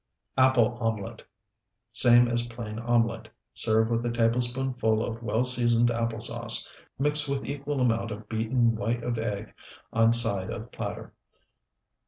APPLE OMELET Same as plain omelet. Serve with a tablespoonful of well seasoned apple sauce, mixed with equal amount of beaten white of egg on side of platter.